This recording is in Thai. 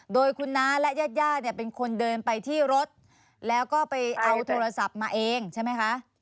โดยคุณน้าและญาติญาติเนี่ยเป็นคนเดินไปที่รถแล้วก็ไปเอาโทรศัพท์มาเองใช่ไหมคะ